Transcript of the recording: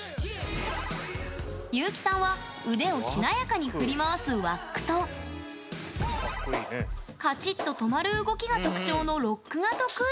ゆうきさんは腕をしなやかに振り回すワックとカチッと止まる動きが特徴のロックが得意。